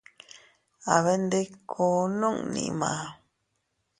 Abendikuu nunni maá.